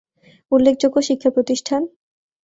উল্লেখযোগ্য শিক্ষাপ্রতিষ্ঠান-